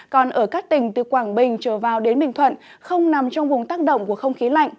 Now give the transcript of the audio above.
còn ở các tỉnh từ quảng bình trở vào đến bình thuận không nằm trong vùng tác động của không khí lạnh